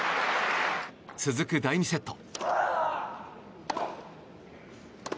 続く第２セット。